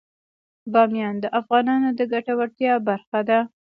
بامیان د افغانانو د ګټورتیا برخه ده.